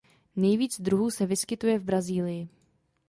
Nejvíc druhů se vyskytuje v Brazílii.